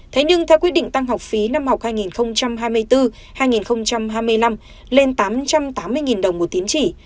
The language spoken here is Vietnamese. thế nhưng theo quyết định tăng học phí năm học hai nghìn hai mươi bốn hai nghìn hai mươi năm lên tám trăm tám mươi đồng một tín chỉ